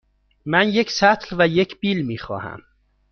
من یک سطل و یک بیل می خواهم.